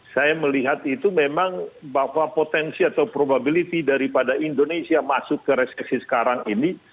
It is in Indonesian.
saya melihat itu memang bahwa potensi atau probability daripada indonesia masuk ke resesi sekarang ini